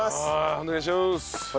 お願いします！